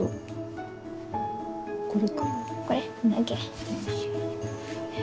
これ？